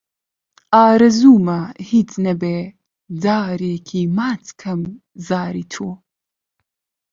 ئارەزوومە هیچ نەبێ جارێکی ماچ کەم زاری تۆ